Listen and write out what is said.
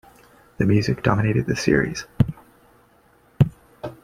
The music dominated the series.